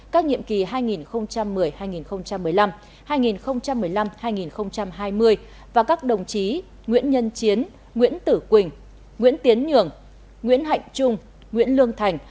các nhiệm kỳ hai nghìn một mươi hai nghìn một mươi năm hai nghìn một mươi năm hai nghìn hai mươi và các đồng chí nguyễn nhân chiến nguyễn tử quỳnh nguyễn tiến nhường nguyễn hạnh trung nguyễn lương thành